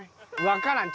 わからん。